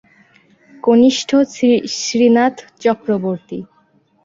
কনিষ্ঠ শ্রীনাথ চক্রবর্তী।